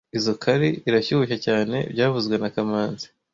Izoi curry irashyushye cyane byavuzwe na kamanzi